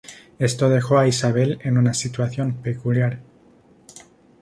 Esto dejó a Isabel en una situación peculiar.